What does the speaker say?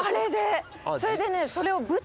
それでね。